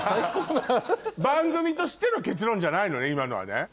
番組としての結論じゃないのね